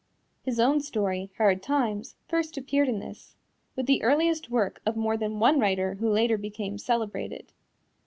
His own story, Hard Times, first appeared in this, with the earliest work of more than one writer who later became celebrated.